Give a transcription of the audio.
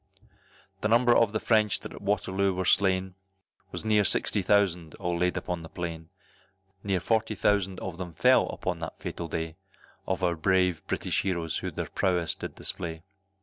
The number of the French that at Waterloo were slain, Was near sixty thousand all laid upon the plain; Near forty thousand of them fell upon that fatal day, Of our brave British heroes who their prowess did display.